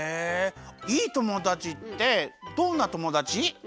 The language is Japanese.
いいともだちってどんなともだち？